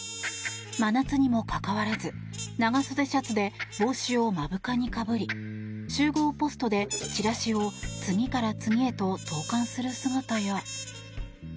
真夏にもかかわらず長袖シャツで帽子を目深にかぶり集合ポストでチラシを次から次へと投函する姿や。